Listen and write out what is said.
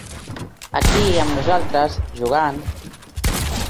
Aquí amb nosaltres, jugant.